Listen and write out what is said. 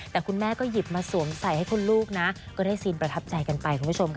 แต่คุณแม่ก็หยิบมาสวมใส่ให้คุณลูกนะก็ได้ซีนประทับใจกันไปคุณผู้ชมค่ะ